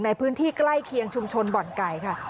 ในพื้นที่ใกล้เคียงชุมชนบ่อนไก่ค่ะ